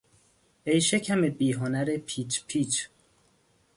ای شکم بیهنر پیچ پیچ...